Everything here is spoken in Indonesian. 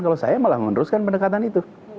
kalau saya malah meneruskan pendekatan itu